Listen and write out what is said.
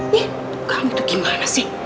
wah kamu tuh gimana sih